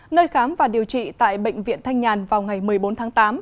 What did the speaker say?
nơi khám và điều trị tại bệnh viện thanh nhàn vào ngày một mươi bốn tháng tám